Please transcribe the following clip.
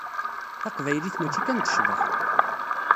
Taqbaylit mačči kan d ccḍeḥ.